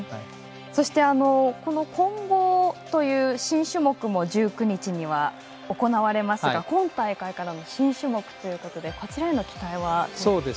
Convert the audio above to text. そして、混合という新種目も１９日には行われますが今大会からの新種目ということでこちらへの期待は？